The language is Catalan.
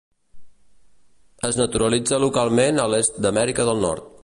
Es naturalitza localment a l'est d'Amèrica del Nord.